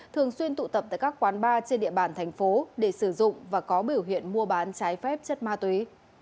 thường xuyên tụ tập tại các quán bar trên địa bàn thành phố để sử dụng và có biểu hiện mua bán trái phép chất ma túy